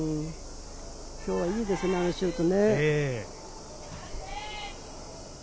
今日はいいですね、あのシュートね。